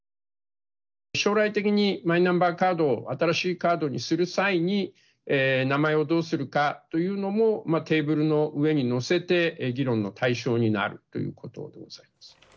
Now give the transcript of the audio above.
将来的に、マイナンバーカードを新しいカードにする際に、名前をどうするかというのもテーブルの上にのせて議論の対象になるということでございます。